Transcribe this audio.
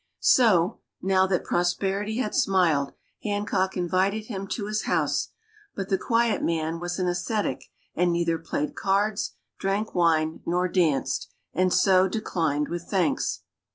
So, now that prosperity had smiled, Hancock invited him to his house, but the quiet man was an ascetic and neither played cards, drank wine nor danced, and so declined with thanks.